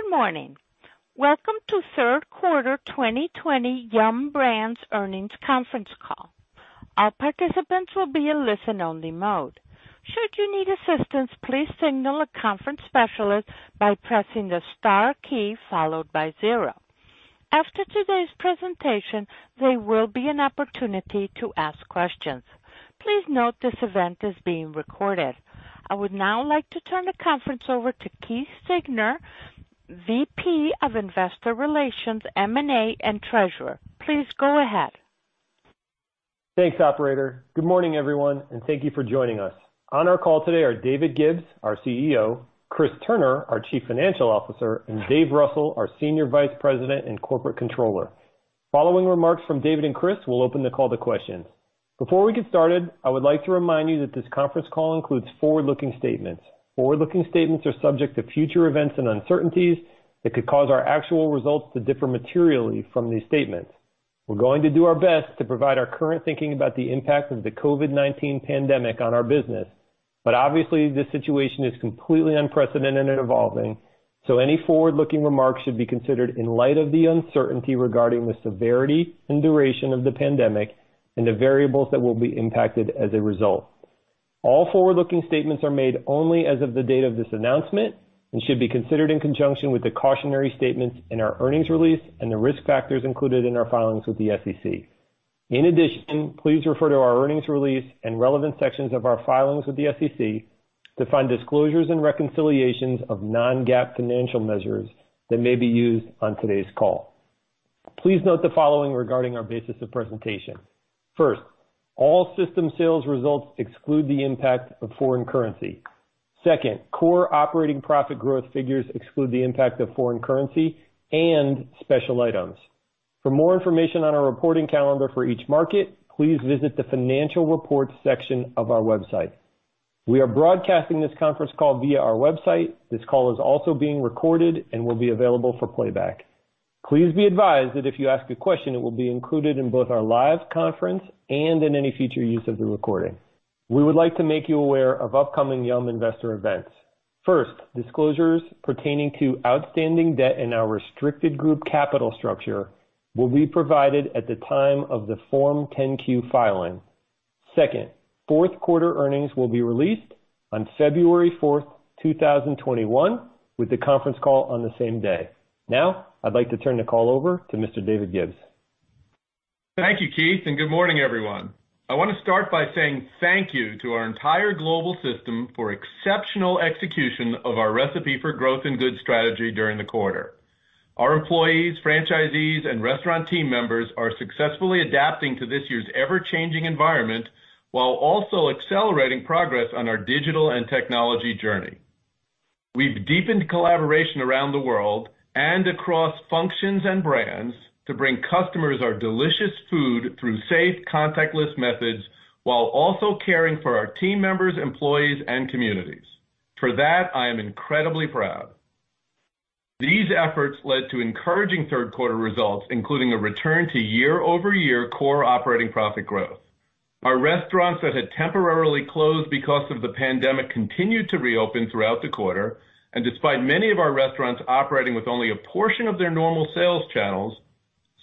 Good morning. Welcome to third quarter 2020 Yum! Brands Earnings Conference Call. All participants will be in listen-only mode. After today's presentation, there will be an opportunity to ask questions. Please note this event is being recorded. I would now like to turn the conference over to Keith Siegner, Vice President of Investor Relations, M&A, and Treasurer. Please go ahead. Thanks, operator. Good morning, everyone, and thank you for joining us. On our call today are David Gibbs, our Chief Executive Officer, Chris Turner, our Chief Financial Officer, and David Russell, our Senior Vice President and Corporate Controller. Following remarks from David and Chris, we'll open the call to questions. Before we get started, I would like to remind you that this conference call includes forward-looking statements. Forward-looking statements are subject to future events and uncertainties that could cause our actual results to differ materially from these statements. We're going to do our best to provide our current thinking about the impact of the COVID-19 pandemic on our business. Obviously, this situation is completely unprecedented and evolving, so any forward-looking remarks should be considered in light of the uncertainty regarding the severity and duration of the pandemic and the variables that will be impacted as a result. All forward-looking statements are made only as of the date of this announcement and should be considered in conjunction with the cautionary statements in our earnings release and the risk factors included in our filings with the SEC. Please refer to our earnings release and relevant sections of our filings with the SEC to find disclosures and reconciliations of non-GAAP financial measures that may be used on today's call. Please note the following regarding our basis of presentation. First, all system sales results exclude the impact of foreign currency. Second, core operating profit growth figures exclude the impact of foreign currency and special items. For more information on our reporting calendar for each market, please visit the financial reports section of our website. We are broadcasting this conference call via our website. This call is also being recorded and will be available for playback. Please be advised that if you ask a question, it will be included in both our live conference and in any future use of the recording. We would like to make you aware of upcoming Yum! investor events. First, disclosures pertaining to outstanding debt in our restricted group capital structure will be provided at the time of the Form 10-Q filing. Second, fourth quarter earnings will be released on February 4th, 2021, with the conference call on the same day. Now, I'd like to turn the call over to Mr. David Gibbs. Thank you, Keith, and good morning, everyone. I want to start by saying thank you to our entire global system for exceptional execution of our Recipe for Growth and Good strategy during the quarter. Our employees, franchisees, and restaurant team members are successfully adapting to this year's ever-changing environment while also accelerating progress on our digital and technology journey. We've deepened collaboration around the world and across functions and brands to bring customers our delicious food through safe contactless methods while also caring for our team members, employees, and communities. For that, I am incredibly proud. These efforts led to encouraging third quarter results, including a return to year-over-year core operating profit growth. Our restaurants that had temporarily closed because of the pandemic continued to reopen throughout the quarter, and despite many of our restaurants operating with only a portion of their normal sales channels,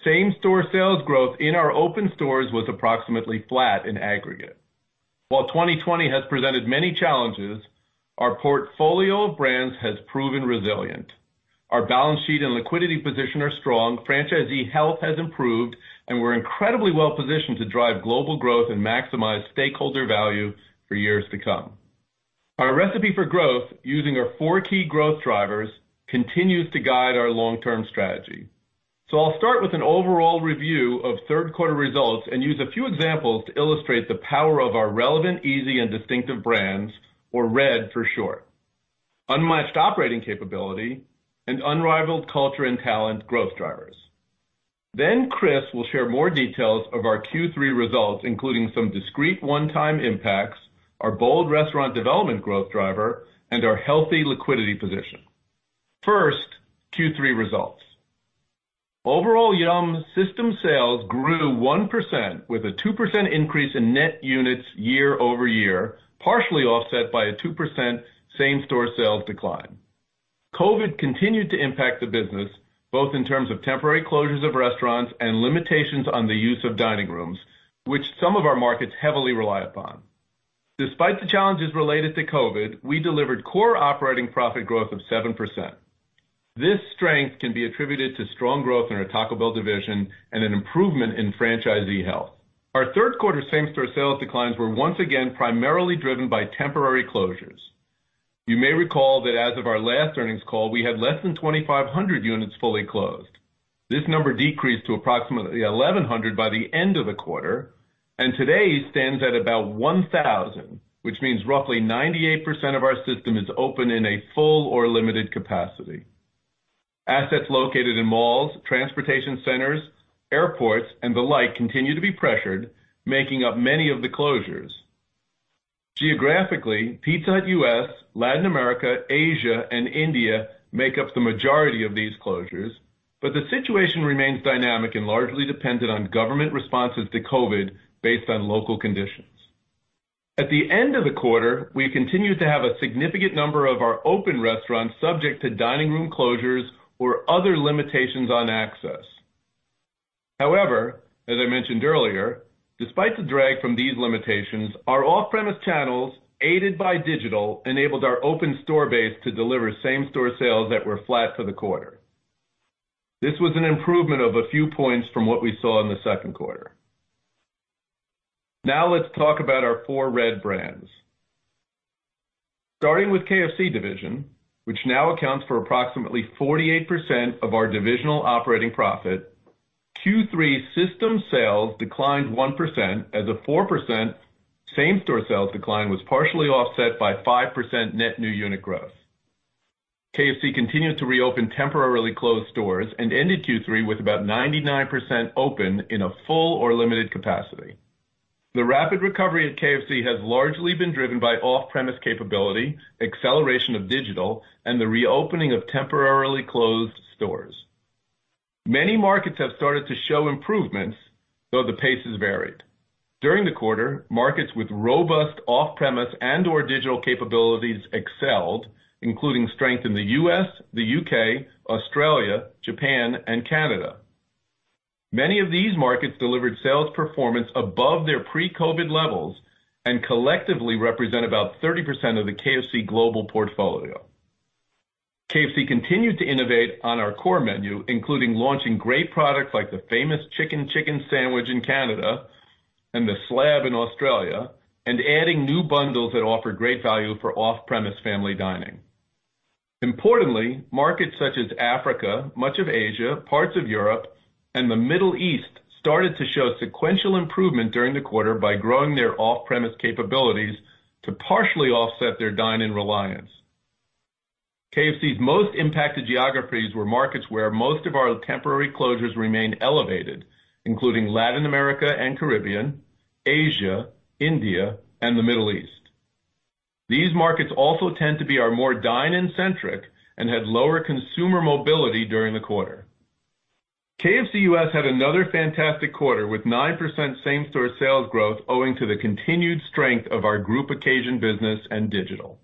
same-store sales growth in our open stores was approximately flat in aggregate. While 2020 has presented many challenges, our portfolio of brands has proven resilient. Our balance sheet and liquidity position are strong, franchisee health has improved, and we're incredibly well-positioned to drive global growth and maximize stakeholder value for years to come. Our recipe for growth using our four key growth drivers continues to guide our long-term strategy. I'll start with an overall review of third quarter results and use a few examples to illustrate the power of our relevant, easy, and distinctive brands, or RED for short, unmatched operating capability, and unrivaled culture and talent growth drivers. Chris will share more details of our Q3 results, including some discrete one-time impacts, our bold restaurant development growth driver, and our healthy liquidity position. First, Q3 results. Overall Yum! system sales grew 1% with a 2% increase in net units year-over-year, partially offset by a 2% same-store sales decline. COVID continued to impact the business, both in terms of temporary closures of restaurants and limitations on the use of dining rooms, which some of our markets heavily rely upon. Despite the challenges related to COVID, we delivered core operating profit growth of 7%. This strength can be attributed to strong growth in our Taco Bell division and an improvement in franchisee health. Our third quarter same-store sales declines were once again primarily driven by temporary closures. You may recall that as of our last earnings call, we had less than 2,500 units fully closed. This number decreased to approximately 1,100 by the end of the quarter, and today stands at about 1,000, which means roughly 98% of our system is open in a full or limited capacity. Assets located in malls, transportation centers, airports, and the like continue to be pressured, making up many of the closures. Geographically, Pizza Hut U.S., Latin America, Asia, and India make up the majority of these closures, but the situation remains dynamic and largely dependent on government responses to COVID-19 based on local conditions. At the end of the quarter, we continued to have a significant number of our open restaurants subject to dining room closures or other limitations on access. As I mentioned earlier, despite the drag from these limitations, our off-premise channels, aided by digital, enabled our open store base to deliver same-store sales that were flat for the quarter. This was an improvement of a few points from what we saw in the second quarter. Let's talk about our four RED brands. Starting with KFC division, which now accounts for approximately 48% of our divisional operating profit, Q3 system sales declined 1%, as a 4% same-store sales decline was partially offset by 5% net new unit growth. KFC continued to reopen temporarily closed stores and ended Q3 with about 99% open in a full or limited capacity. The rapid recovery at KFC has largely been driven by off-premise capability, acceleration of digital, and the reopening of temporarily closed stores. Many markets have started to show improvements, though the pace has varied. During the quarter, markets with robust off-premise and/or digital capabilities excelled, including strength in the U.S., the U.K., Australia, Japan, and Canada. Many of these markets delivered sales performance above their pre-COVID-19 levels and collectively represent about 30% of the KFC global portfolio. KFC continued to innovate on our core menu, including launching great products like the Famous Chicken Chicken Sandwich in Canada and The Slab in Australia and adding new bundles that offer great value for off-premise family dining. Importantly, markets such as Africa, much of Asia, parts of Europe, and the Middle East started to show sequential improvement during the quarter by growing their off-premise capabilities to partially offset their dine-in reliance. KFC's most impacted geographies were markets where most of our temporary closures remain elevated, including Latin America and Caribbean, Asia, India, and the Middle East. These markets also tend to be our more dine-in centric and had lower consumer mobility during the quarter. KFC U.S. had another fantastic quarter with 9% same-store sales growth owing to the continued strength of our group occasion business and digital.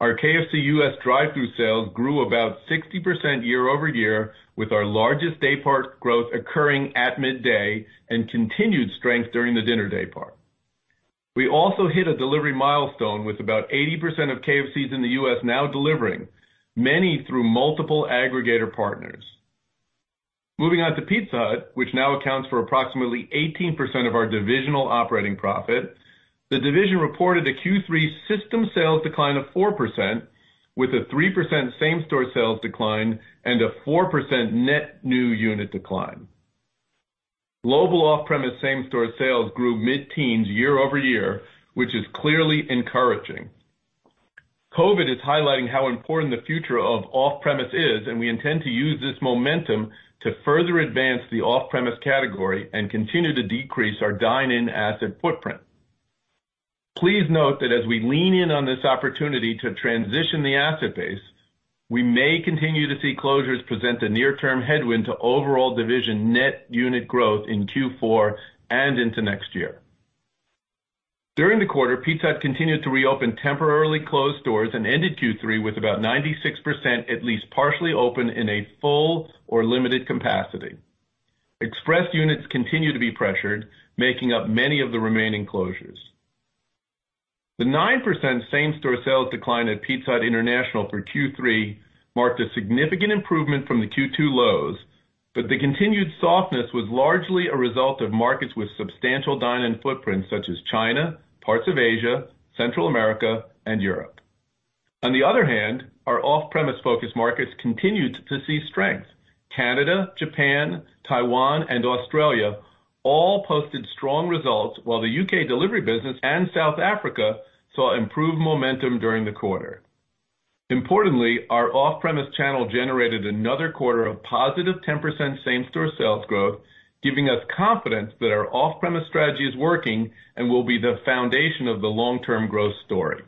Our KFC U.S. drive-thru sales grew about 60% year-over-year, with our largest day part growth occurring at midday and continued strength during the dinner day part. We also hit a delivery milestone with about 80% of KFCs in the U.S. now delivering, many through multiple aggregator partners. Moving on to Pizza Hut, which now accounts for approximately 18% of our divisional operating profit, the division reported a Q3 system sales decline of 4%, with a 3% same-store sales decline and a 4% net new unit decline. Global off-premise same-store sales grew mid-teens year-over-year, which is clearly encouraging. COVID is highlighting how important the future of off-premise is, and we intend to use this momentum to further advance the off-premise category and continue to decrease our dine-in asset footprint. Please note that as we lean in on this opportunity to transition the asset base, we may continue to see closures present a near-term headwind to overall division net unit growth in Q4 and into next year. During the quarter, Pizza Hut continued to reopen temporarily closed stores and ended Q3 with about 96% at least partially open in a full or limited capacity. Express units continue to be pressured, making up many of the remaining closures. The 9% same-store sales decline at Pizza Hut International for Q3 marked a significant improvement from the Q2 lows, but the continued softness was largely a result of markets with substantial dine-in footprints such as China, parts of Asia, Central America, and Europe. On the other hand, our off-premise focus markets continued to see strength. Canada, Japan, Taiwan, and Australia all posted strong results, while the U.K. delivery business and South Africa saw improved momentum during the quarter. Importantly, our off-premise channel generated another quarter of positive 10% same-store sales growth, giving us confidence that our off-premise strategy is working and will be the foundation of the long-term growth story.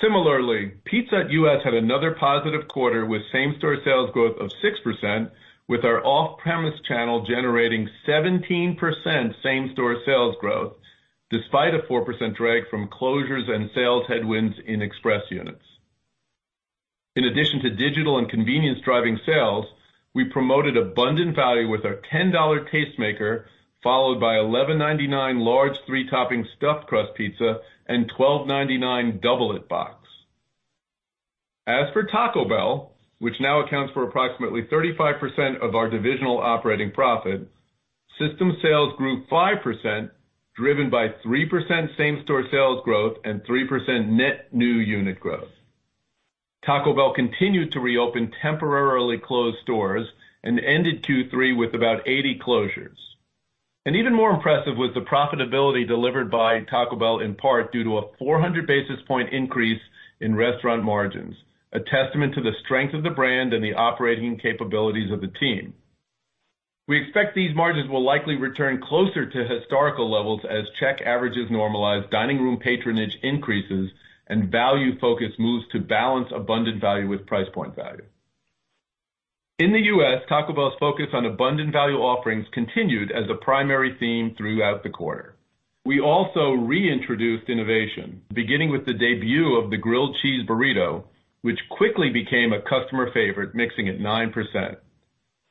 Similarly, Pizza Hut U.S. had another positive quarter with same-store sales growth of 6%, with our off-premise channel generating 17% same-store sales growth, despite a 4% drag from closures and sales headwinds in express units. In addition to digital and convenience driving sales, we promoted abundant value with our $10 Tastemaker, followed by $11.99 large three-topping stuffed crust pizza and $12.99 Double It Box. As for Taco Bell, which now accounts for approximately 35% of our divisional operating profit, system sales grew 5%, driven by 3% same-store sales growth and 3% net new unit growth. Taco Bell continued to reopen temporarily closed stores and ended Q3 with about 80 closures. Even more impressive was the profitability delivered by Taco Bell, in part due to a 400 basis points increase in restaurant margins, a testament to the strength of the brand and the operating capabilities of the team. We expect these margins will likely return closer to historical levels as check averages normalize, dining room patronage increases, and value focus moves to balance abundant value with price point value. In the U.S., Taco Bell's focus on abundant value offerings continued as a primary theme throughout the quarter. We also reintroduced innovation, beginning with the debut of the Grilled Cheese Burrito, which quickly became a customer favorite, mixing at 9%.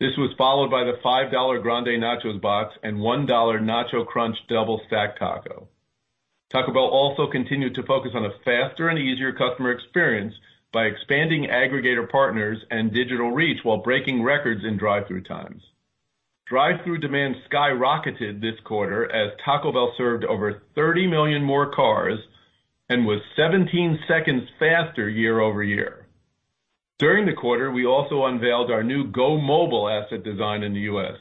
This was followed by the $5 Grande Nachos Box and $1 Nacho Crunch Double Stacked Taco. Taco Bell also continued to focus on a faster and easier customer experience by expanding aggregator partners and digital reach while breaking records in drive-thru times. Drive-thru demand skyrocketed this quarter as Taco Bell served over 30 million more cars and was 17 seconds faster year-over-year. During the quarter, we also unveiled our new Go Mobile asset design in the U.S.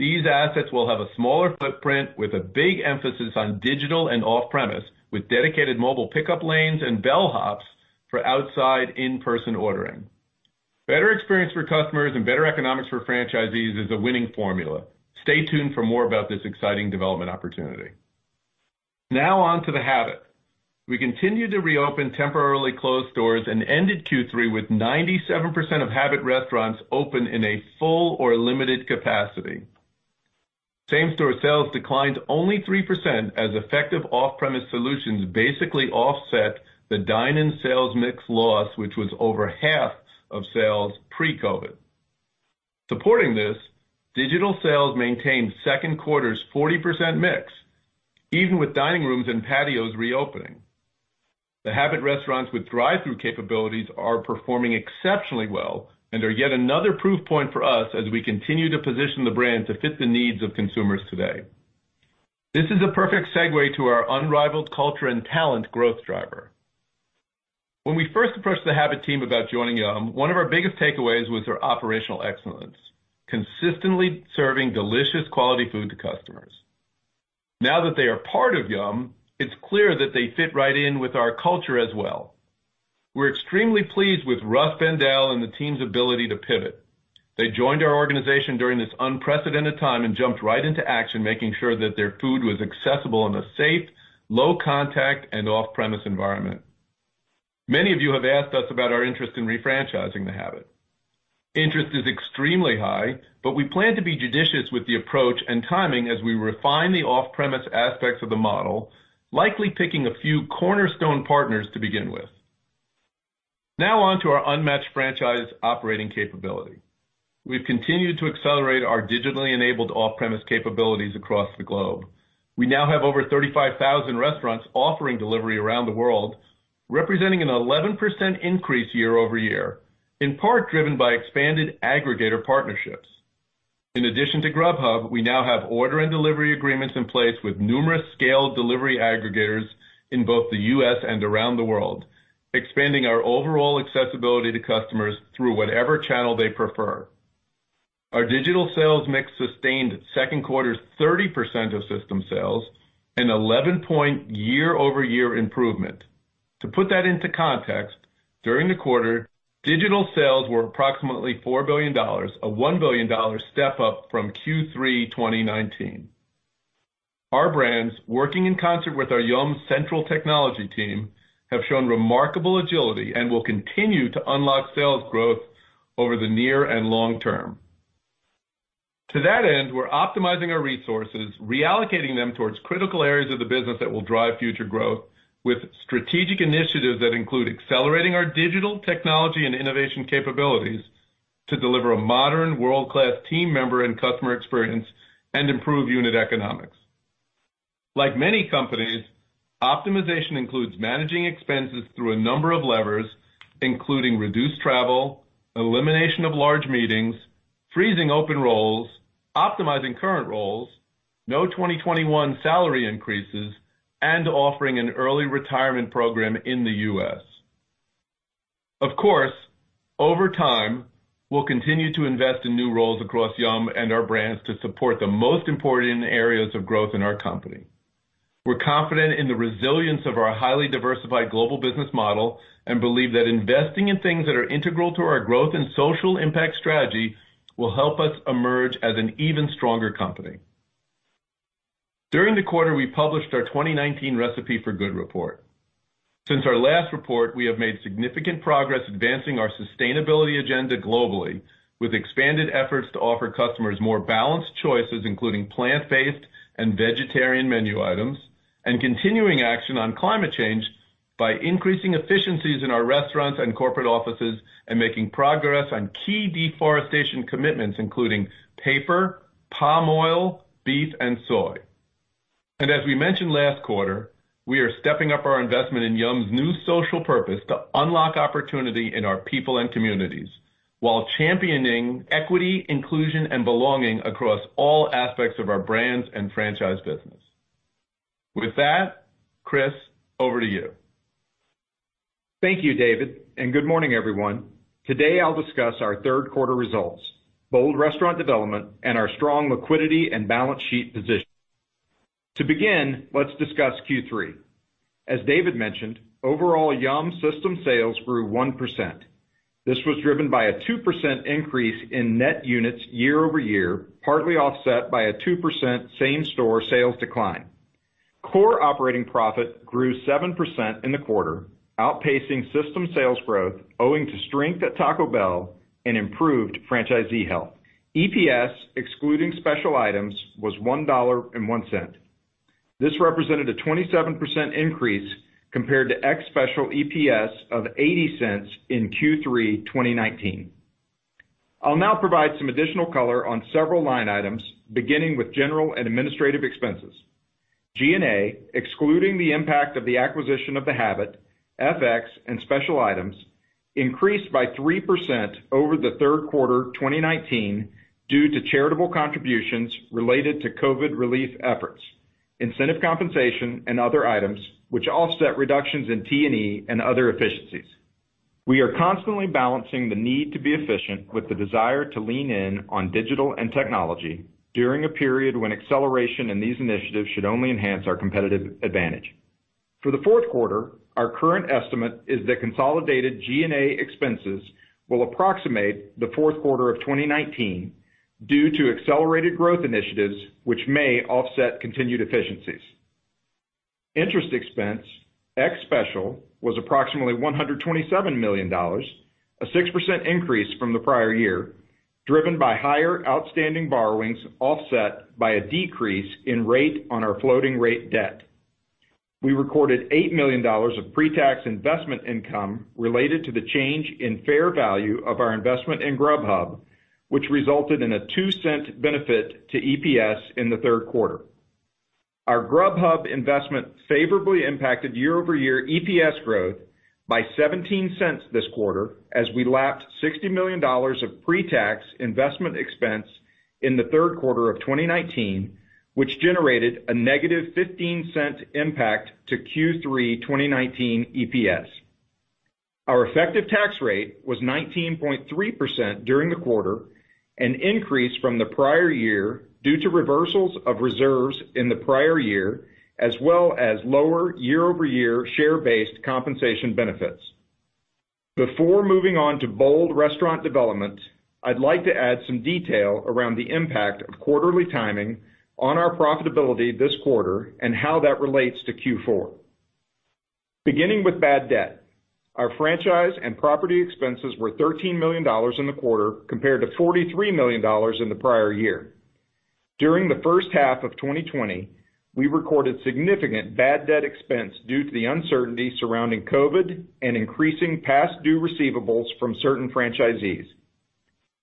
These assets will have a smaller footprint with a big emphasis on digital and off-premise, with dedicated mobile pickup lanes and bellhops for outside in-person ordering. Better experience for customers and better economics for franchisees is a winning formula. Stay tuned for more about this exciting development opportunity. Now on to The Habit. We continued to reopen temporarily closed stores and ended Q3 with 97% of Habit restaurants open in a full or limited capacity. Same-store sales declined only 3% as effective off-premise solutions basically offset the dine-in sales mix loss, which was over half of sales pre-COVID. Supporting this, digital sales maintained second quarter's 40% mix, even with dining rooms and patios reopening. The Habit restaurants with drive-thru capabilities are performing exceptionally well and are yet another proof point for us as we continue to position the brand to fit the needs of consumers today. This is a perfect segue to our unrivaled culture and talent growth driver. When we first approached The Habit team about joining Yum!, one of our biggest takeaways was their operational excellence, consistently serving delicious quality food to customers. Now that they are part of Yum!, it's clear that they fit right in with our culture as well. We're extremely pleased with Russ Bendel and the team's ability to pivot. They joined our organization during this unprecedented time and jumped right into action, making sure that their food was accessible in a safe, low contact, and off-premise environment. Many of you have asked us about our interest in refranchising The Habit. Interest is extremely high, but we plan to be judicious with the approach and timing as we refine the off-premise aspects of the model, likely picking a few cornerstone partners to begin with. Now on to our unmatched franchise operating capability. We've continued to accelerate our digitally enabled off-premise capabilities across the globe. We now have over 35,000 restaurants offering delivery around the world, representing an 11% increase year-over-year, in part driven by expanded aggregator partnerships. In addition to Grubhub, we now have order and delivery agreements in place with numerous scaled delivery aggregators in both the U.S. and around the world, expanding our overall accessibility to customers through whatever channel they prefer. Our digital sales mix sustained second quarter's 30% of system sales and 11-point year-over-year improvement. To put that into context, during the quarter, digital sales were approximately $4 billion, a $1 billion step up from Q3 2019. Our brands, working in concert with our Yum! central technology team, have shown remarkable agility and will continue to unlock sales growth over the near and long term. To that end, we're optimizing our resources, reallocating them towards critical areas of the business that will drive future growth with strategic initiatives that include accelerating our digital technology and innovation capabilities to deliver a modern world-class team member and customer experience and improve unit economics. Like many companies, optimization includes managing expenses through a number of levers, including reduced travel, elimination of large meetings, freezing open roles, optimizing current roles, no 2021 salary increases, and offering an early retirement program in the U.S. Of course, over time, we'll continue to invest in new roles across Yum! and our brands to support the most important areas of growth in our company. We're confident in the resilience of our highly diversified global business model and believe that investing in things that are integral to our growth and social impact strategy will help us emerge as an even stronger company. During the quarter, we published our 2019 Recipe for Good report. Since our last report, we have made significant progress advancing our sustainability agenda globally with expanded efforts to offer customers more balanced choices, including plant-based and vegetarian menu items, and continuing action on climate change by increasing efficiencies in our restaurants and corporate offices and making progress on key deforestation commitments, including paper, palm oil, beef, and soy. As we mentioned last quarter, we are stepping up our investment in Yum!'s new social purpose to unlock opportunity in our people and communities while championing equity, inclusion, and belonging across all aspects of our brands and franchise business. With that, Chris Turner, over to you. Thank you, David, and good morning, everyone. Today, I'll discuss our third quarter results, bold restaurant development, and our strong liquidity and balance sheet position. To begin, let's discuss Q3. As David mentioned, overall Yum! system sales grew 1%. This was driven by a 2% increase in net units year-over-year, partly offset by a 2% same-store sales decline. Core operating profit grew 7% in the quarter, outpacing system sales growth owing to strength at Taco Bell and improved franchisee health. EPS, excluding special items, was $1.01. This represented a 27% increase compared to ex special EPS of $0.80 in Q3 2019. I'll now provide some additional color on several line items, beginning with general and administrative expenses. G&A, excluding the impact of the acquisition of The Habit, FX, and special items, increased by 3% over the third quarter 2019 due to charitable contributions related to COVID relief efforts, incentive compensation, and other items which offset reductions in T&E and other efficiencies. We are constantly balancing the need to be efficient with the desire to lean in on digital and technology during a period when acceleration in these initiatives should only enhance our competitive advantage. For the fourth quarter, our current estimate is that consolidated G&A expenses will approximate the fourth quarter of 2019 due to accelerated growth initiatives, which may offset continued efficiencies. Interest expense, ex special, was approximately $127 million, a 6% increase from the prior year, driven by higher outstanding borrowings, offset by a decrease in rate on our floating rate debt. We recorded $8 million of pre-tax investment income related to the change in fair value of our investment in Grubhub, which resulted in a $0.02 benefit to EPS in the third quarter. Our Grubhub investment favorably impacted year-over-year EPS growth by $0.17 this quarter as we lapped $60 million of pre-tax investment expense in the third quarter of 2019, which generated a -$0.15 impact to Q3 2019 EPS. Our effective tax rate was 19.3% during the quarter, an increase from the prior year due to reversals of reserves in the prior year, as well as lower year-over-year share-based compensation benefits. Before moving on to bold restaurant development, I'd like to add some detail around the impact of quarterly timing on our profitability this quarter and how that relates to Q4. Beginning with bad debt, our franchise and property expenses were $13 million in the quarter compared to $43 million in the prior year. During the first half of 2020, we recorded significant bad debt expense due to the uncertainty surrounding COVID-19 and increasing past due receivables from certain franchisees.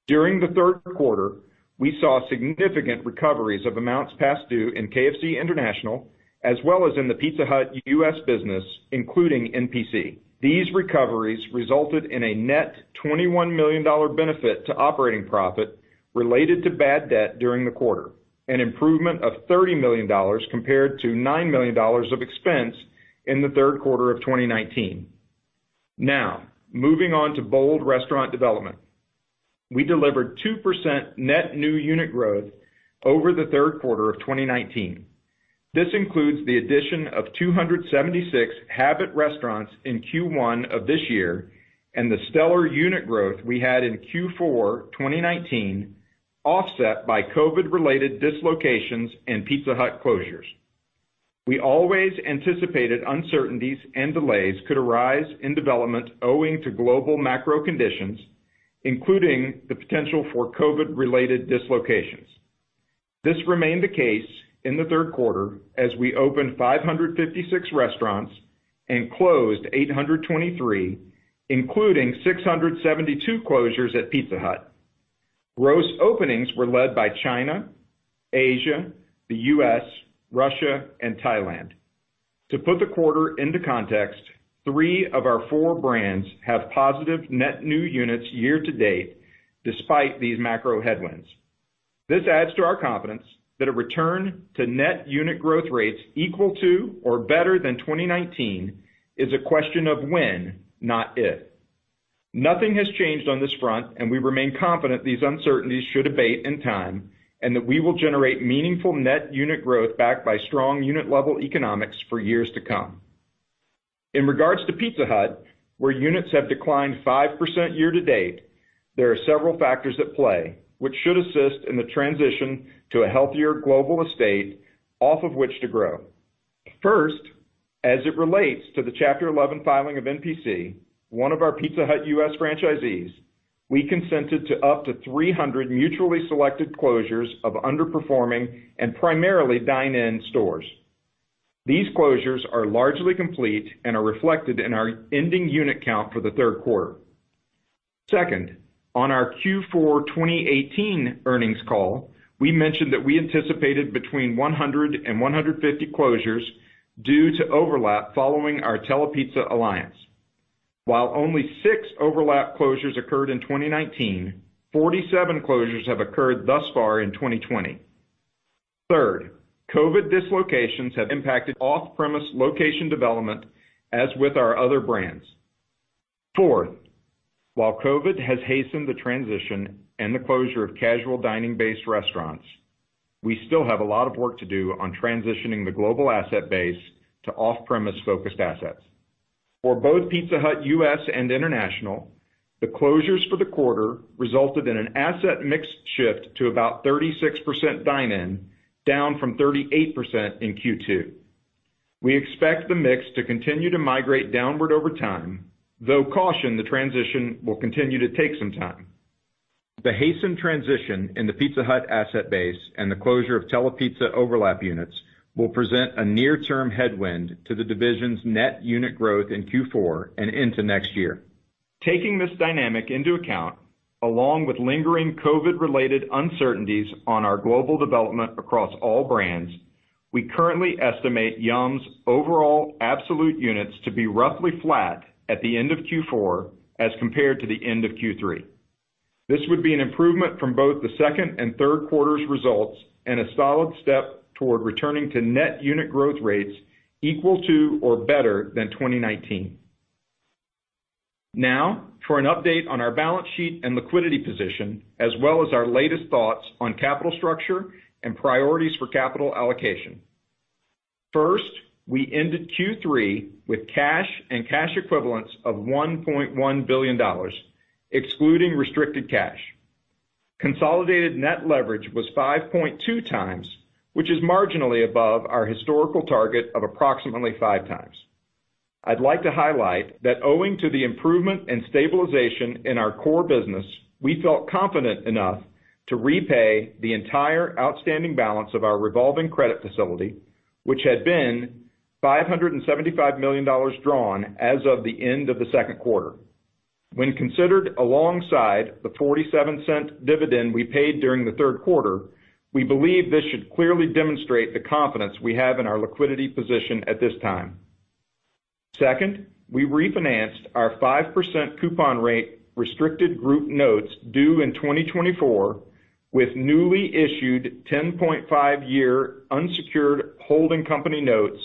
During the third quarter, we saw significant recoveries of amounts past due in KFC International as well as in the Pizza Hut U.S. business, including NPC. These recoveries resulted in a net $21 million benefit to operating profit related to bad debt during the quarter, an improvement of $30 million compared to $9 million of expense in the third quarter of 2019. Moving on to bold restaurant development. We delivered 2% net new unit growth over the third quarter of 2019. This includes the addition of 276 Habit restaurants in Q1 of this year and the stellar unit growth we had in Q4 2019, offset by COVID-related dislocations and Pizza Hut closures. We always anticipated uncertainties and delays could arise in development owing to global macro conditions, including the potential for COVID-related dislocations. This remained the case in the third quarter as we opened 556 restaurants and closed 823, including 672 closures at Pizza Hut. Gross openings were led by China, Asia, the U.S., Russia, and Thailand. To put the quarter into context, three of our four brands have positive net new units year to date, despite these macro headwinds. This adds to our confidence that a return to net unit growth rates equal to or better than 2019 is a question of when, not if. Nothing has changed on this front, and we remain confident these uncertainties should abate in time, and that we will generate meaningful net unit growth backed by strong unit-level economics for years to come. In regards to Pizza Hut, where units have declined 5% year to date, there are several factors at play which should assist in the transition to a healthier global estate off of which to grow. First, as it relates to the Chapter 11 filing of NPC, one of our Pizza Hut U.S. franchisees, we consented to up to 300 mutually selected closures of underperforming and primarily dine-in stores. These closures are largely complete and are reflected in our ending unit count for the third quarter. Second, on our Q4 2018 earnings call, we mentioned that we anticipated between 100 and 150 closures due to overlap following our Telepizza alliance. While only six overlap closures occurred in 2019, 47 closures have occurred thus far in 2020. Third, COVID dislocations have impacted off-premise location development, as with our other brands. Fourth, while COVID has hastened the transition and the closure of casual dining-based restaurants, we still have a lot of work to do on transitioning the global asset base to off-premise focused assets. For both Pizza Hut U.S. and international, the closures for the quarter resulted in an asset mix shift to about 36% dine-in, down from 38% in Q2. We expect the mix to continue to migrate downward over time, though caution, the transition will continue to take some time. The hastened transition in the Pizza Hut asset base and the closure of Telepizza overlap units will present a near-term headwind to the division's net unit growth in Q4 and into next year. Taking this dynamic into account, along with lingering COVID-19 related uncertainties on our global development across all brands, we currently estimate Yum!'s overall absolute units to be roughly flat at the end of Q4 as compared to the end of Q3. This would be an improvement from both the second and third quarters' results and a solid step toward returning to net unit growth rates equal to or better than 2019. For an update on our balance sheet and liquidity position, as well as our latest thoughts on capital structure and priorities for capital allocation. First, we ended Q3 with cash and cash equivalents of $1.1 billion, excluding restricted cash. Consolidated net leverage was 5.2x, which is marginally above our historical target of approximately 5x. I'd like to highlight that owing to the improvement and stabilization in our core business, we felt confident enough to repay the entire outstanding balance of our revolving credit facility, which had been $575 million drawn as of the end of the second quarter. When considered alongside the $0.47 dividend we paid during the third quarter, we believe this should clearly demonstrate the confidence we have in our liquidity position at this time. Second, we refinanced our 5% coupon rate restricted group notes due in 2024 with newly issued 10.5-year unsecured holding company notes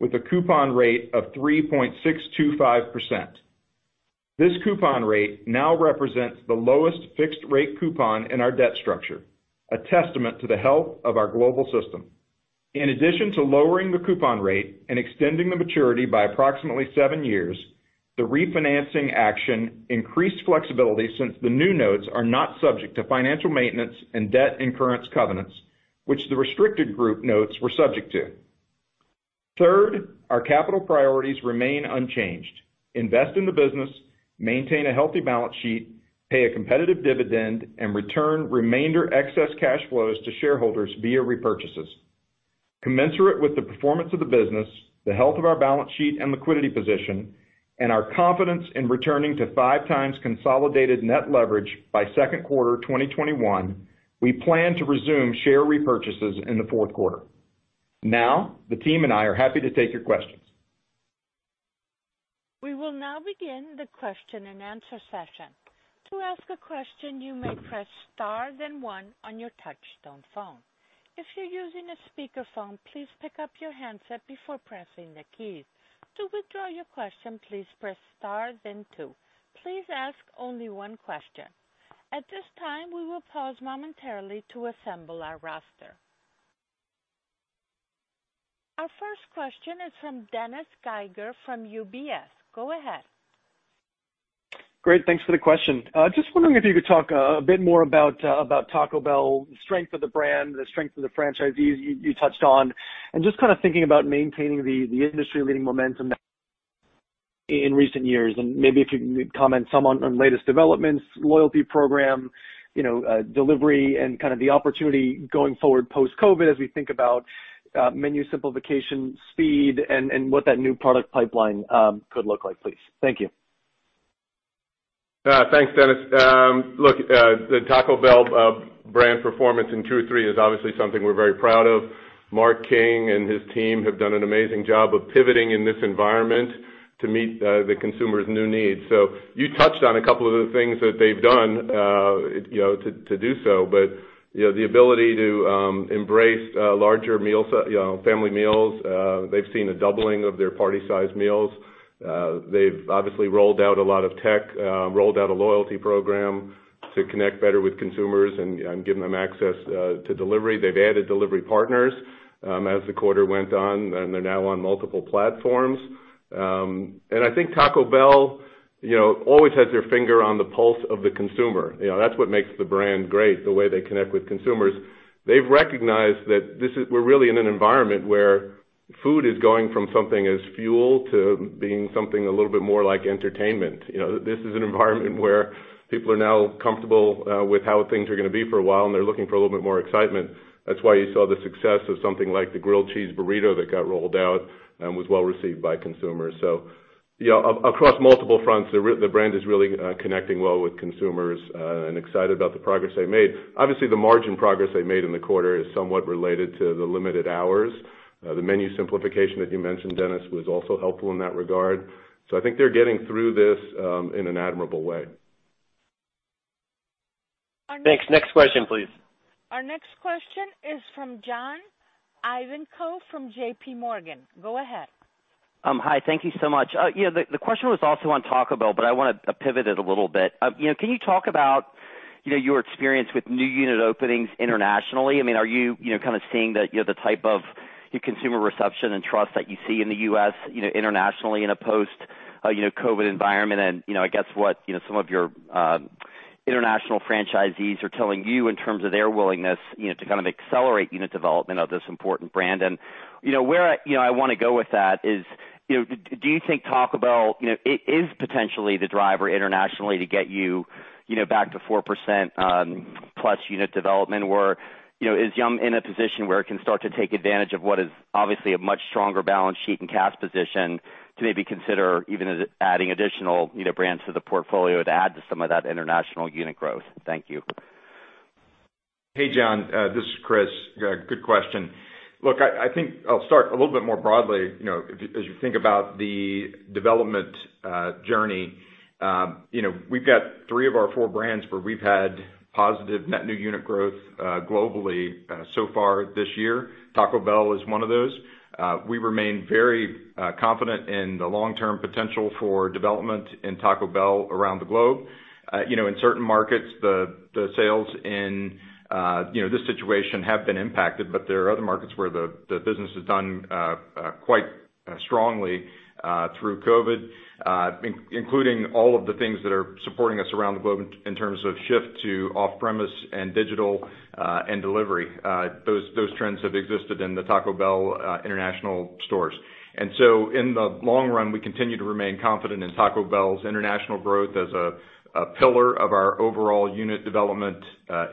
with a coupon rate of 3.625%. This coupon rate now represents the lowest fixed rate coupon in our debt structure, a testament to the health of our global system. In addition to lowering the coupon rate and extending the maturity by approximately seven years, the refinancing action increased flexibility since the new notes are not subject to financial maintenance and debt incurrence covenants, which the restricted group notes were subject to. Third, our capital priorities remain unchanged. Invest in the business, maintain a healthy balance sheet, pay a competitive dividend, and return remainder excess cash flows to shareholders via repurchases. Commensurate with the performance of the business, the health of our balance sheet and liquidity position, and our confidence in returning to 5x consolidated net leverage by second quarter 2021, we plan to resume share repurchases in the fourth quarter. Now, the team and I are happy to take your questions. We will now begin the question and answer session. To ask a question, you may press star then one on your touchtone phone. If you're using a speaker phone, please pick up your handset before pressing the key. To withdraw your question, please press star then two. Please ask only one question. At this time, we will pause momentarily to assemble our roster. Our first question is from Dennis Geiger from UBS. Go ahead. Great. Thanks for the question. Just wondering if you could talk a bit more about Taco Bell, the strength of the brand, the strength of the franchisees you touched on? Just thinking about maintaining the industry leading momentum in recent years. Maybe if you can comment some on latest developments, loyalty program, delivery, and the opportunity going forward post-COVID-19 as we think about menu simplification, speed, and what that new product pipeline could look like, please? Thank you. Thanks, Dennis. Look, the Taco Bell brand performance in Q3 is obviously something we're very proud of. Mark King and his team have done an amazing job of pivoting in this environment to meet the consumer's new needs. You touched on a couple of the things that they've done to do so. The ability to embrace larger family meals. They've seen a doubling of their party size meals. They've obviously rolled out a lot of tech, rolled out a loyalty program to connect better with consumers and give them access to delivery. They've added delivery partners as the quarter went on, and they're now on multiple platforms. I think Taco Bell always has their finger on the pulse of the consumer. That's what makes the brand great, the way they connect with consumers. They've recognized that we're really in an environment where food is going from something as fuel to being something a little bit more like entertainment. This is an environment where people are now comfortable with how things are going to be for a while, and they're looking for a little bit more excitement. That's why you saw the success of something like the Grilled Cheese Burrito that got rolled out and was well received by consumers. Across multiple fronts, the brand is really connecting well with consumers and excited about the progress they made. Obviously, the margin progress they made in the quarter is somewhat related to the limited hours. The menu simplification that you mentioned, Dennis, was also helpful in that regard. I think they're getting through this in an admirable way. Thanks. Next question, please. Our next question is from John Ivankoe from JPMorgan. Go ahead. Hi. Thank you so much. The question was also on Taco Bell. I want to pivot it a little bit. Can you talk about your experience with new unit openings internationally? Are you seeing the type of consumer reception and trust that you see in the U.S. internationally in a post-COVID environment? I guess what some of your international franchisees are telling you in terms of their willingness to accelerate unit development of this important brand. Where I want to go with that is, do you think Taco Bell is potentially the driver internationally to get you back to 4%+ unit development? Is Yum! in a position where it can start to take advantage of what is obviously a much stronger balance sheet and cash position to maybe consider even adding additional brands to the portfolio to add to some of that international unit growth? Thank you. Hey, John. This is Chris. Good question. Look, I think I'll start a little bit more broadly, as you think about the development journey. We've got three of our four brands where we've had positive net new unit growth globally so far this year. Taco Bell is one of those. We remain very confident in the long-term potential for development in Taco Bell around the globe. In certain markets, the sales in this situation have been impacted, but there are other markets where the business is done quite strongly through COVID, including all of the things that are supporting us around the globe in terms of shift to off-premise and digital and delivery. Those trends have existed in the Taco Bell international stores. In the long run, we continue to remain confident in Taco Bell's international growth as a pillar of our overall unit development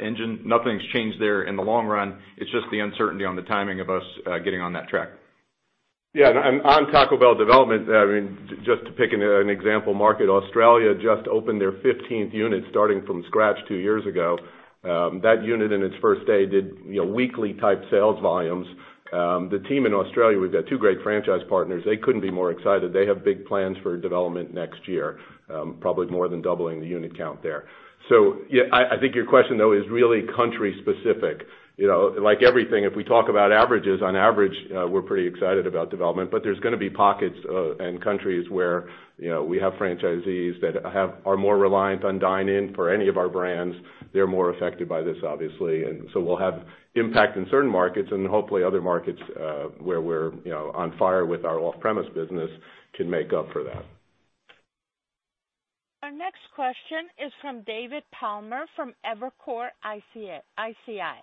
engine. Nothing's changed there in the long run. It's just the uncertainty on the timing of us getting on that track. On Taco Bell development, just to pick an example market, Australia just opened their 15th unit starting from scratch two years ago. That unit in its first day did weekly-type sales volumes. The team in Australia, we've got two great franchise partners. They couldn't be more excited. They have big plans for development next year, probably more than doubling the unit count there. I think your question, though, is really country specific. Like everything, if we talk about averages, on average, we're pretty excited about development, but there's going to be pockets and countries where we have franchisees that are more reliant on dine-in for any of our brands. They're more affected by this, obviously. We'll have impact in certain markets and hopefully other markets where we're on fire with our off-premise business can make up for that. Our next question is from David Palmer from Evercore ISI.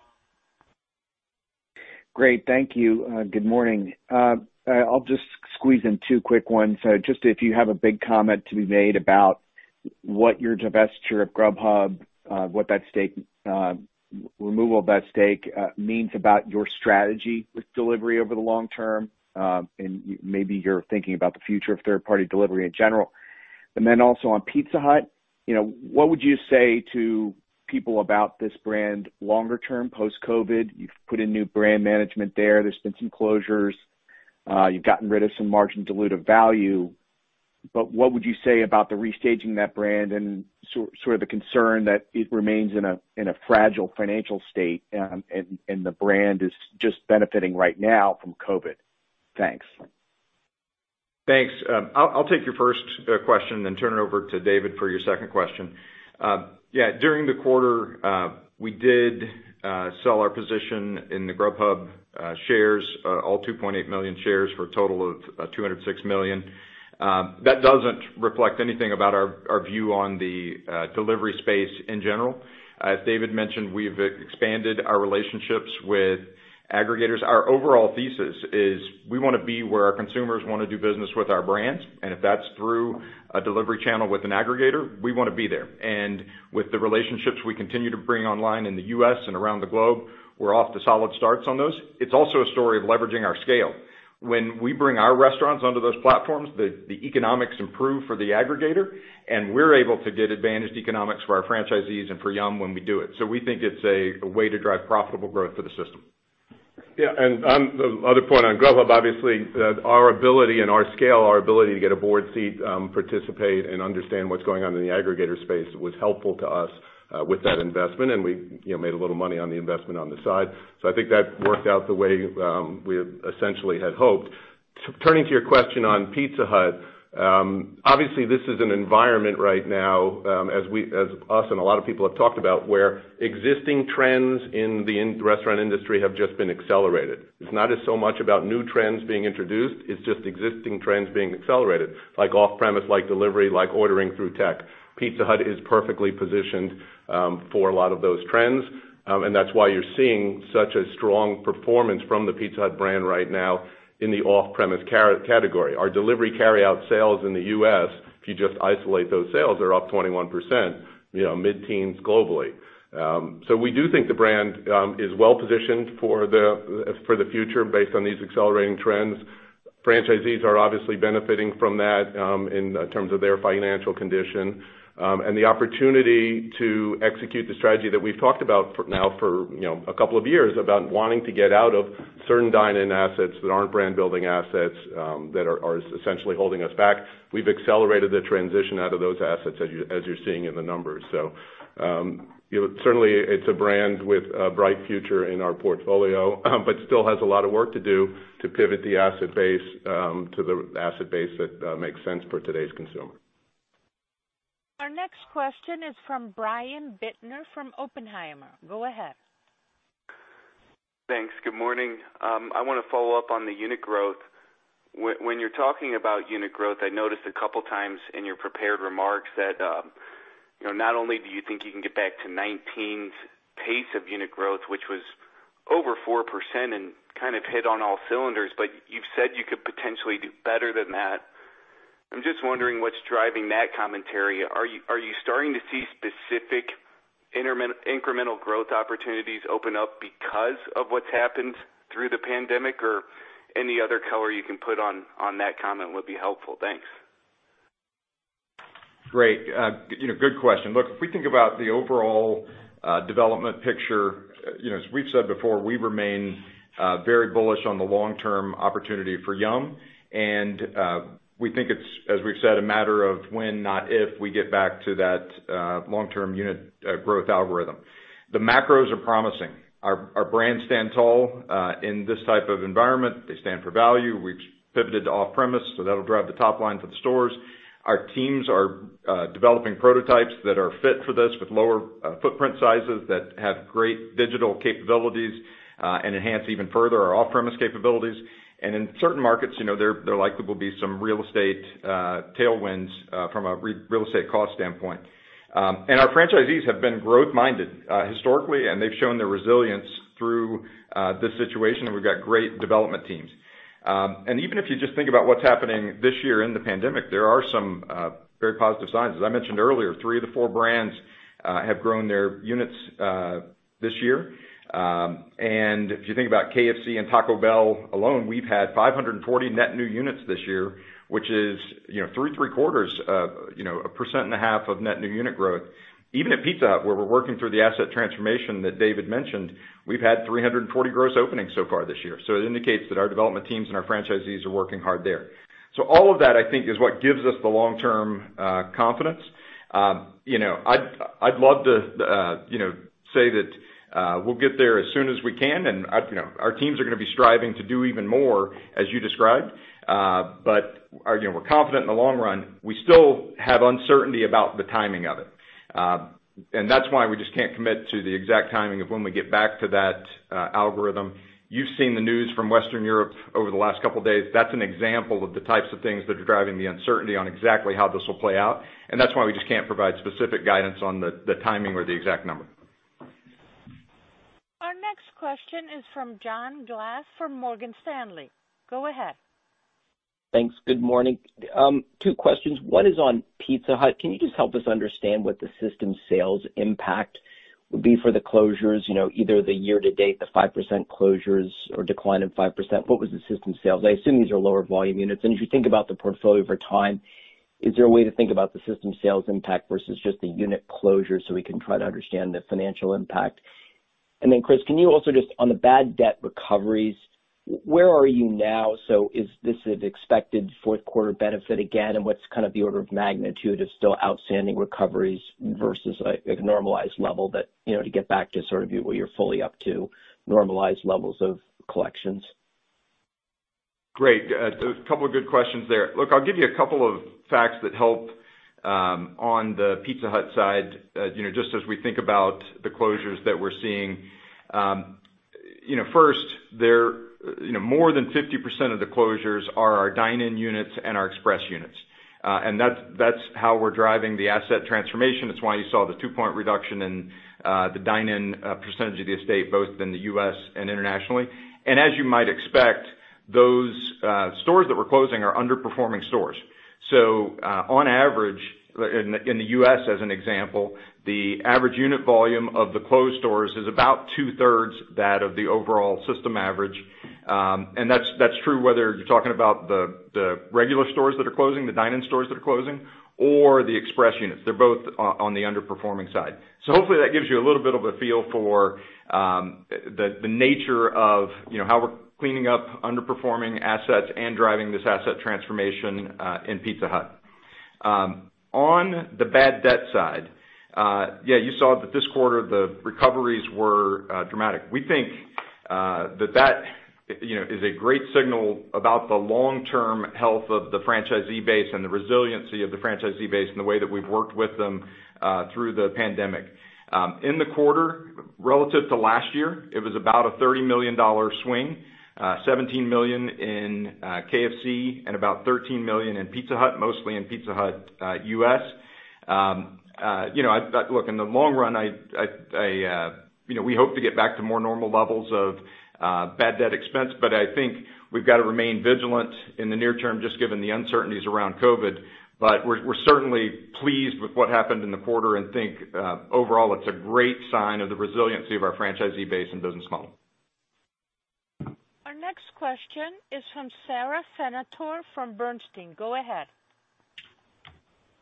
Great. Thank you. Good morning. I'll just squeeze in two quick ones. Just if you have a big comment to be made about what your divestiture of Grubhub, removal of that stake means about your strategy with delivery over the long term, and maybe you're thinking about the future of third-party delivery in general. Also on Pizza Hut, what would you say to people about this brand longer term, post-COVID? You've put in new brand management there. There's been some closures. You've gotten rid of some margin dilutive value. What would you say about the restaging that brand and sort of the concern that it remains in a fragile financial state, and the brand is just benefiting right now from COVID? Thanks. Thanks. I'll take your first question, then turn it over to David for your second question. Yeah, during the quarter, we did sell our position in the Grubhub shares, all 2.8 million shares for a total of $206 million. That doesn't reflect anything about our view on the delivery space in general. As David mentioned, we've expanded our relationships with aggregators. Our overall thesis is we want to be where our consumers want to do business with our brands, if that's through a delivery channel with an aggregator, we want to be there. With the relationships we continue to bring online in the U.S. and around the globe, we're off to solid starts on those. It's also a story of leveraging our scale. When we bring our restaurants onto those platforms, the economics improve for the aggregator, and we're able to get advantaged economics for our franchisees and for Yum! when we do it. We think it's a way to drive profitable growth for the system. The other point on Grubhub, obviously, our ability and our scale, our ability to get a board seat, participate, and understand what's going on in the aggregator space was helpful to us with that investment, and we made a little money on the investment on the side. I think that worked out the way we essentially had hoped. Turning to your question on Pizza Hut, obviously this is an environment right now, as us and a lot of people have talked about, where existing trends in the restaurant industry have just been accelerated. It's not so much about new trends being introduced. It's just existing trends being accelerated, like off-premise, like delivery, like ordering through tech. Pizza Hut is perfectly positioned for a lot of those trends, and that's why you're seeing such a strong performance from the Pizza Hut brand right now in the off-premise category. Our delivery carryout sales in the U.S., if you just isolate those sales, are up 21%, mid-teens globally. We do think the brand is well positioned for the future based on these accelerating trends. Franchisees are obviously benefiting from that in terms of their financial condition. The opportunity to execute the strategy that we've talked about now for a couple of years about wanting to get out of certain dine-in assets that aren't brand-building assets that are essentially holding us back. We've accelerated the transition out of those assets, as you're seeing in the numbers. Certainly it's a brand with a bright future in our portfolio, but still has a lot of work to do to pivot the asset base to the asset base that makes sense for today's consumer. Our next question is from Brian Bittner from Oppenheimer. Go ahead. Thanks. Good morning. I want to follow up on the unit growth. When you're talking about unit growth, I noticed a couple of times in your prepared remarks that not only do you think you can get back to 2019's pace of unit growth, which was over 4% and kind of hit on all cylinders, but you've said you could potentially do better than that. I'm just wondering what's driving that commentary. Are you starting to see specific incremental growth opportunities open up because of what's happened through the pandemic? Any other color you can put on that comment would be helpful. Thanks. Great. Good question. Look, if we think about the overall development picture, as we've said before, we remain very bullish on the long-term opportunity for Yum!. We think it's, as we've said, a matter of when, not if, we get back to that long-term unit growth algorithm. The macros are promising. Our brands stand tall in this type of environment. They stand for value. We've pivoted to off-premise, so that'll drive the top line for the stores. Our teams are developing prototypes that are fit for this with lower footprint sizes that have great digital capabilities and enhance even further our off-premise capabilities. In certain markets, there likely will be some real estate tailwinds from a real estate cost standpoint. Our franchisees have been growth-minded historically, and they've shown their resilience through this situation, and we've got great development teams. Even if you just think about what's happening this year in the pandemic, there are some very positive signs. As I mentioned earlier, three of the four brands have grown their units this year. If you think about KFC and Taco Bell alone, we've had 540 net new units this year, which is three three-quarters of a 1.5% of net new unit growth. Even at Pizza Hut, where we're working through the asset transformation that David mentioned, we've had 340 gross openings so far this year. It indicates that our development teams and our franchisees are working hard there. All of that, I think, is what gives us the long-term confidence. I'd love to say that we'll get there as soon as we can, and our teams are going to be striving to do even more, as you described. We're confident in the long run. We still have uncertainty about the timing of it. That's why we just can't commit to the exact timing of when we get back to that algorithm. You've seen the news from Western Europe over the last couple of days. That's an example of the types of things that are driving the uncertainty on exactly how this will play out. That's why we just can't provide specific guidance on the timing or the exact number. Our next question is from John Glass from Morgan Stanley. Go ahead. Thanks. Good morning. Two questions. One is on Pizza Hut. Can you just help us understand what the system sales impact would be for the closures, either the year to date, the 5% closures or decline of 5%? What was the system sales? I assume these are lower volume units. As you think about the portfolio for time, is there a way to think about the system sales impact versus just the unit closure so we can try to understand the financial impact? Chris, can you also just on the bad debt recoveries, where are you now? Is this an expected fourth quarter benefit again? What's the order of magnitude of still outstanding recoveries versus a normalized level that to get back to sort of where you're fully up to normalized levels of collections? Great. A couple of good questions there. Look, I'll give you a couple of facts that help on the Pizza Hut side, just as we think about the closures that we're seeing. First, more than 50% of the closures are our dine-in units and our express units. That's how we're driving the asset transformation. That's why you saw the two-point reduction in the dine-in percentage of the estate, both in the U.S. and internationally. As you might expect, those stores that we're closing are underperforming stores. On average, in the U.S. as an example, the average unit volume of the closed stores is about two-thirds that of the overall system average. That's true whether you're talking about the regular stores that are closing, the dine-in stores that are closing, or the express units. They're both on the underperforming side. Hopefully that gives you a little bit of a feel for the nature of how we're cleaning up underperforming assets and driving this asset transformation in Pizza Hut. On the bad debt side, yeah, you saw that this quarter, the recoveries were dramatic. We think that that is a great signal about the long-term health of the franchisee base and the resiliency of the franchisee base and the way that we've worked with them through the pandemic. In the quarter, relative to last year, it was about a $30 million swing, $17 million in KFC and about $13 million in Pizza Hut, mostly in Pizza Hut U.S. Look, in the long run, we hope to get back to more normal levels of bad debt expense, but I think we've got to remain vigilant in the near term just given the uncertainties around COVID-19. We're certainly pleased with what happened in the quarter and think overall it's a great sign of the resiliency of our franchisee base and business model. Our next question is from Sara Senatore from Bernstein. Go ahead.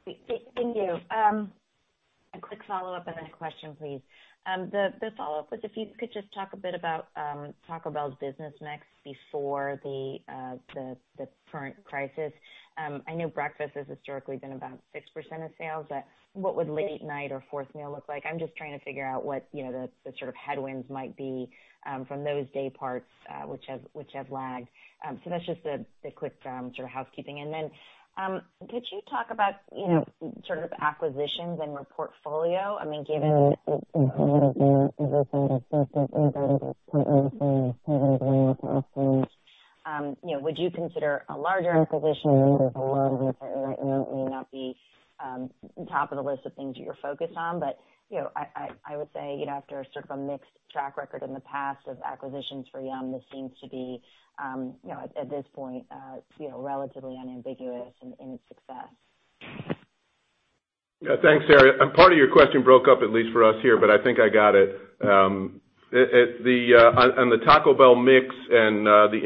Thank you. A quick follow-up and then a question, please. The follow-up was if you could just talk a bit about Taco Bell's business mix before the current crisis. I know breakfast has historically been about 6% of sales, but what would late night or Fourthmeal look like? I'm just trying to figure out what the sort of headwinds might be from those day parts which have lagged. That's just a quick sort of housekeeping. Then could you talk about sort of acquisitions in your portfolio? I mean, given. Would you consider a larger acquisition may not be top of the list of things you're focused on? I would say, after a sort of a mixed track record in the past of acquisitions for Yum!, this seems to be, at this point relatively unambiguous in its success. Yeah. Thanks, Sara. Part of your question broke up, at least for us here, but I think I got it. On the Taco Bell mix and the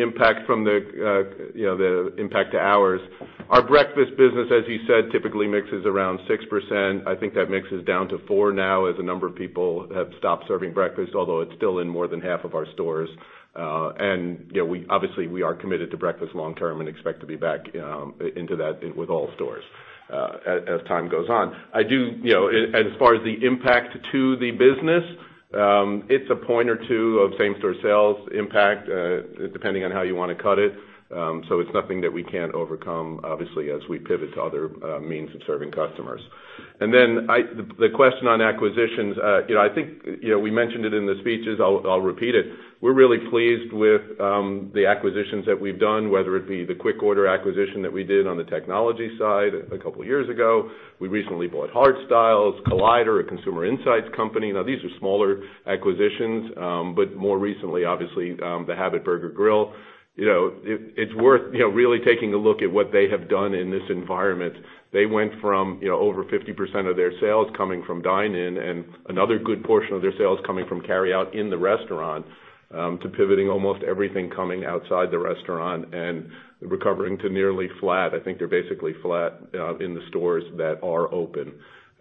impact to hours, our breakfast business, as you said, typically mixes around 6%. I think that mix is down to four now as a number of people have stopped serving breakfast, although it's still in more than half of our stores. Obviously, we are committed to breakfast long term and expect to be back into that with all stores as time goes on. As far as the impact to the business, it's a point or two of same-store sales impact, depending on how you want to cut it. It's nothing that we can't overcome, obviously, as we pivot to other means of serving customers. The question on acquisitions, I think we mentioned it in the speeches. I'll repeat it. We're really pleased with the acquisitions that we've done, whether it be the QuikOrder acquisition that we did on the technology side a couple of years ago. We recently bought Heartstyles, Collider, a consumer insights company. Now, these are smaller acquisitions, but more recently, obviously, The Habit Burger Grill. It's worth really taking a look at what they have done in this environment. They went from over 50% of their sales coming from dine-in and another good portion of their sales coming from carryout in the restaurant, to pivoting almost everything coming outside the restaurant and recovering to nearly flat. I think they're basically flat in the stores that are open.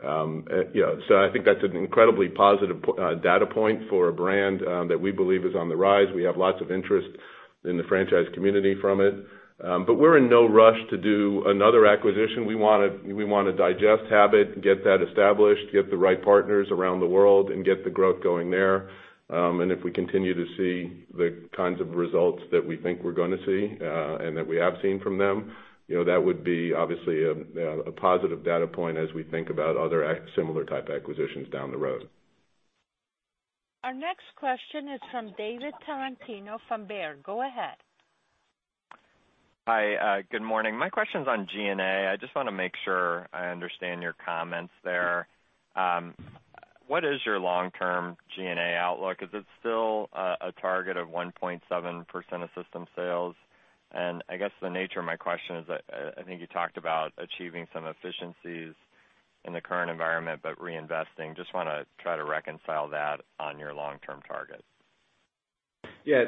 I think that's an incredibly positive data point for a brand that we believe is on the rise. We have lots of interest in the franchise community from it. We're in no rush to do another acquisition. We want to digest Habit, get that established, get the right partners around the world, and get the growth going there. If we continue to see the kinds of results that we think we're going to see, and that we have seen from them, that would be obviously a positive data point as we think about other similar type acquisitions down the road. Our next question is from David Tarantino from Baird. Go ahead. Hi. Good morning. My question's on G&A. I just want to make sure I understand your comments there. What is your long-term G&A outlook? Is it still a target of 1.7% of system sales? I guess the nature of my question is, I think you talked about achieving some efficiencies in the current environment, but reinvesting. Just want to try to reconcile that on your long-term target. Yeah.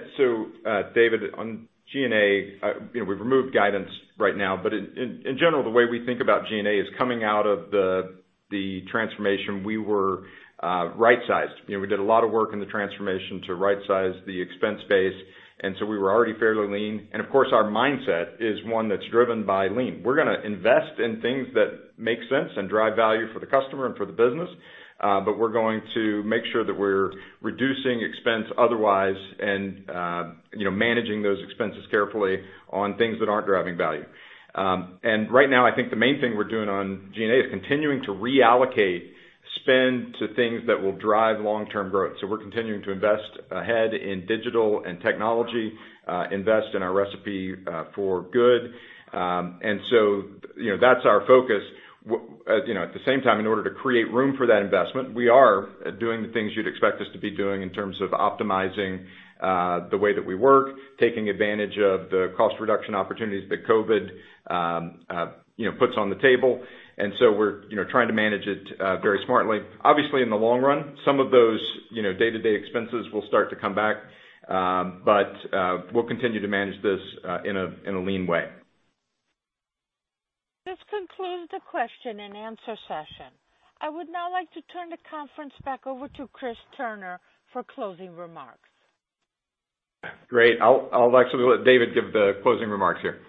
David, on G&A, we've removed guidance right now, but in general, the way we think about G&A is coming out of the transformation we were right-sized. We did a lot of work in the transformation to right-size the expense base, we were already fairly lean. Of course, our mindset is one that's driven by lean. We're going to invest in things that make sense and drive value for the customer and for the business. We're going to make sure that we're reducing expense otherwise and managing those expenses carefully on things that aren't driving value. Right now, I think the main thing we're doing on G&A is continuing to reallocate spend to things that will drive long-term growth. We're continuing to invest ahead in digital and technology, invest in our Recipe for Good. That's our focus. At the same time, in order to create room for that investment, we are doing the things you'd expect us to be doing in terms of optimizing the way that we work, taking advantage of the cost reduction opportunities that COVID puts on the table. We're trying to manage it very smartly. Obviously, in the long run, some of those day-to-day expenses will start to come back. We'll continue to manage this in a lean way. This concludes the question and answer session. I would now like to turn the conference back over to Chris Turner for closing remarks. Great. I'll actually let David give the closing remarks here.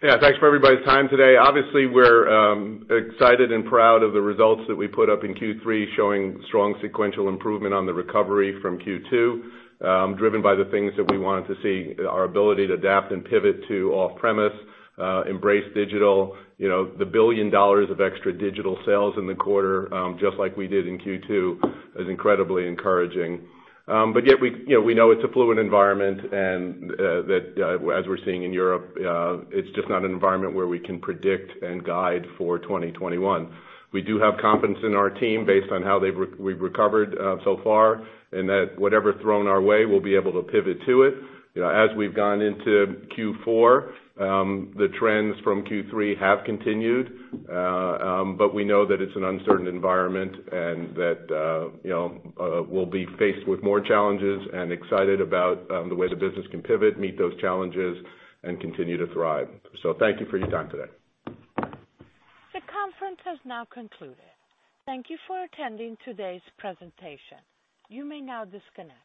Yeah. Thanks for everybody's time today. Obviously, we're excited and proud of the results that we put up in Q3, showing strong sequential improvement on the recovery from Q2, driven by the things that we wanted to see, our ability to adapt and pivot to off-premise, embrace digital. The $1 billion of extra digital sales in the quarter, just like we did in Q2, is incredibly encouraging. Yet we know it's a fluid environment, that as we're seeing in Europe, it's just not an environment where we can predict and guide for 2021. We do have confidence in our team based on how we've recovered so far, that whatever thrown our way, we'll be able to pivot to it. As we've gone into Q4, the trends from Q3 have continued. We know that it's an uncertain environment and that we'll be faced with more challenges and excited about the way the business can pivot, meet those challenges, and continue to thrive. Thank you for your time today. The conference has now concluded. Thank you for attending today's presentation. You may now disconnect.